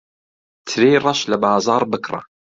ترێی ڕەش لە بازاڕ بکڕە.